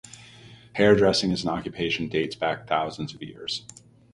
Hairdressing as an occupation dates back thousands of years.